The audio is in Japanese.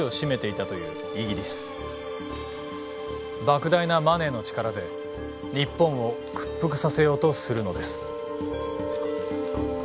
ばく大なマネーの力で日本を屈服させようとするのです。